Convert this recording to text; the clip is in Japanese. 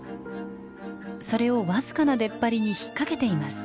それを僅かな出っ張りに引っ掛けています。